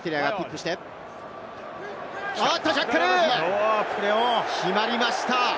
おっと、ジャッカル決まりました！